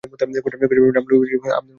কুসাম ibn Abbas ibn Abdul Muttalib.